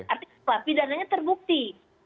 artinya pindahannya terbukti